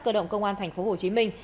cơ động công an tp hcm